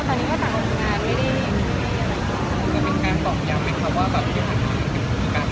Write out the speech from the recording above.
ตอนนี้ก็ต่างองค์งานไม่ได้